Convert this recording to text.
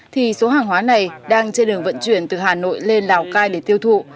thì số hàng hóa này đang trên đường vận chuyển từ hà nội lên lào cai để tiêu thụ